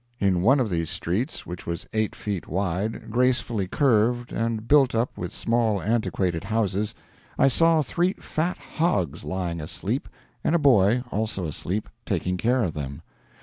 In one of these streets, which was eight feet wide, gracefully curved, and built up with small antiquated houses, I saw three fat hogs lying asleep, and a boy (also asleep) taking care of them.